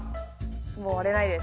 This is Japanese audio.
もう割れないです。